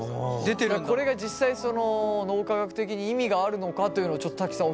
これが実際脳科学的に意味があるのかというのをちょっと瀧さん